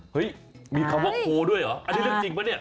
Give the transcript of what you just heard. เฮ้ยมีคำว่าโคด้วยเหรออันนี้เรื่องจริงปะเนี่ย